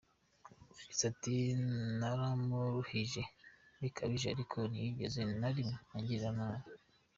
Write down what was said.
Yagize ati: "Naramuruhije bikabije ariko ntiyigeze na rimwe angirira nabi".